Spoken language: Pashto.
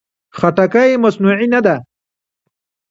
خټکی مصنوعي نه ده.